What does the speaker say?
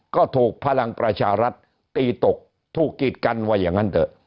ก็ถูกพลังประชารัฐตีตกถูกกีดกันว่าอย่างนั้นเถอะ